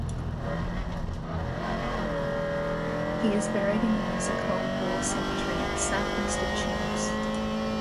He is buried in the Massicault War Cemetery, southwest of Tunis.